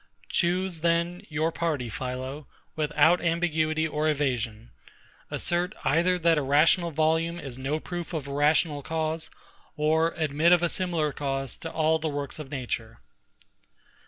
Choose, then, your party, PHILO, without ambiguity or evasion; assert either that a rational volume is no proof of a rational cause, or admit of a similar cause to all the works of nature.